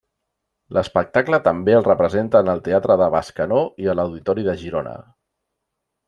L'espectacle també el representen al Teatre de Bescanó i a l'Auditori de Girona.